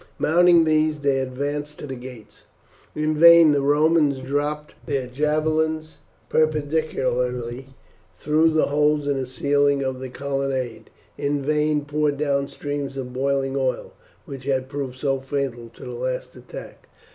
Mounting these they advanced to the gates. In vain the Romans dropped their javelins perpendicularly through the holes in the ceiling of the colonnade, in vain poured down streams of boiling oil, which had proved so fatal to the last attack.